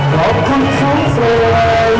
ขอบคุณทุกเรื่องราว